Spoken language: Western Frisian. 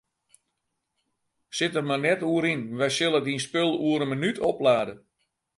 Sit der mar net oer yn, wy sille dyn spul oer in minút oplade.